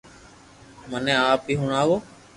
مني آپ ھي ھڻاو